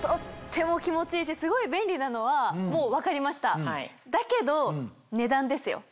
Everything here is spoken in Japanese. ても気持ちいいしすごい便利なのはもう分かりましただけど値段ですよ。